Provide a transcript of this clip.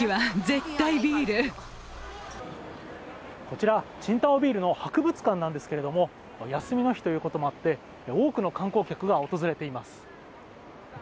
こちら青島ビールの博物館なんですけれども、休みの日ということもあって多くの観光客が訪れています。